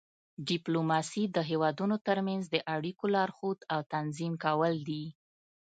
ډیپلوماسي د هیوادونو ترمنځ د اړیکو لارښود او تنظیم کول دي